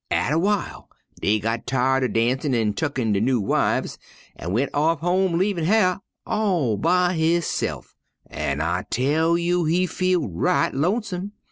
"Atter w'ile dey got tired er darnsin' an' tucken der new wifes an' went off home leavin' Hyar' all by hisse'f, an' I tell you he feel right lonesome.